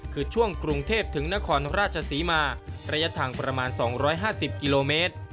คือช่วงกรุงเทพถึงนครราชศรีมาระยะทางประมาณ๒๕๐กิโลเมตร